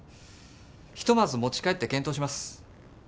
ひとまず持ち帰って検討します。